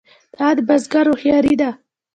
دا د بزګر هوښیاري ده.